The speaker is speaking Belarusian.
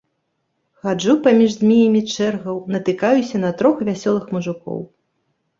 Хаджу паміж змеямі чэргаў, натыкаюся на трох вясёлых мужыкоў.